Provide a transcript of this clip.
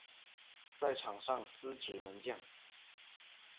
在场上司职门将。